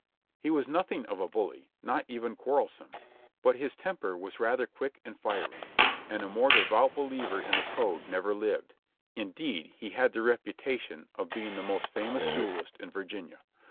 He was nothing of a bully, — not even quarrel some,— but his temper was rather quick and fiery ; and a more de vout believer in the Code never lived; indeed, he had the reputa tion of being the most famous duelist in Virginia.